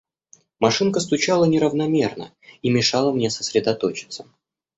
Машинка стучала неравномерно и мешала мне сосредоточиться.